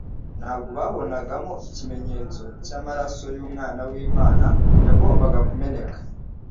Ntabwo babonagamo ikimenyetso cy’amaraso y’umwana w’Imana yagombaga kumeneka